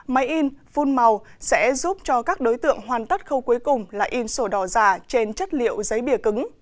máy in phun màu sẽ giúp cho các đối tượng hoàn tất khâu cuối cùng là in sổ đỏ giả trên chất liệu giấy bìa cứng